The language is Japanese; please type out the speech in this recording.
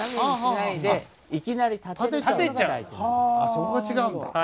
そこが違うんだ。